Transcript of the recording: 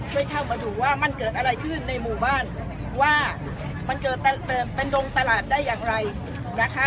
ช่วยเข้ามาดูว่ามันเกิดอะไรขึ้นในหมู่บ้านว่ามันเกิดเป็นดงตลาดได้อย่างไรนะคะ